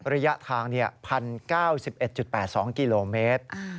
ระยะทาง๑๐๙๑๘๒กิโลเมตร